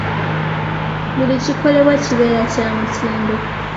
Buli kikolebwa kibeere kya mutindo.